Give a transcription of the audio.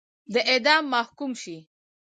د اعدام محکوم شي.